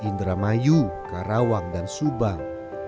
indramayu karawang dan subang